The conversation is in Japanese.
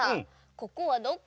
ここはどこ？